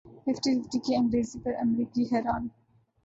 fifty fifty کی انگریزی پر امریکی حیران